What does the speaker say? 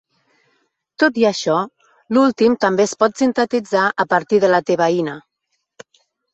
Tot i això, l"últim també es pot sintetitzar a partir de la tebaïna.